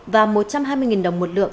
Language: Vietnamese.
và một trăm hai mươi đồng một lượng